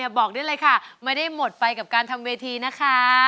บอกได้เลยค่ะไม่ได้หมดไปกับการทำเวทีนะคะ